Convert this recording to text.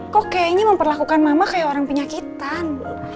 kok kayaknya memperlakukan mama kayak orang penyakitan